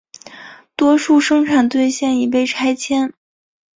多数生产队现已被拆迁。